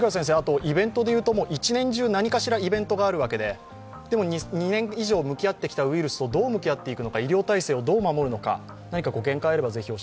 イベントでいうと、一年中何かしらイベントはあるわけで、２年以上向き合ってきたウイルスとどう向き合っていくのか、医療体制をどう守っていくのか。